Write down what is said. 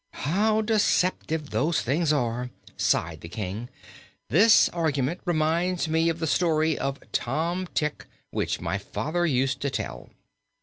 "How deceptive those things are!" sighed the King. "This argument reminds me of the story of Tom Tick, which my father used to tell."